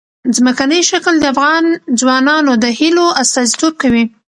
ځمکنی شکل د افغان ځوانانو د هیلو استازیتوب کوي.